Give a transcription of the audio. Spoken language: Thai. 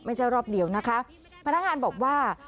ไม่ใช่รอบเดียวนะคะพนักงานบอกว่า